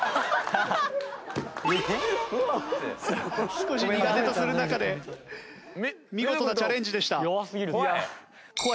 少し苦手とする中で見事なチャレンジでした。